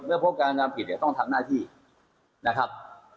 เมื่อพบการกระทำผิดเนี่ยต้องทำหน้าที่นะครับ